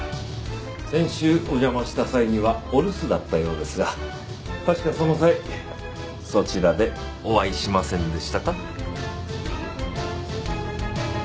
先週お邪魔した際にはお留守だったようですが確かその際そちらでお会いしませんでしたか？